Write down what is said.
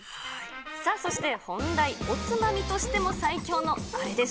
そして本題、おつまみとしても最強のあれです。